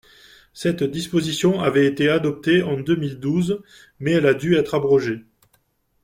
Cette disposition avait été adoptée en deux mille douze, mais elle a dû être abrogée.